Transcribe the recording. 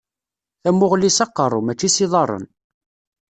Tamuɣli s aqeṛṛu, mačči s iḍaṛṛen.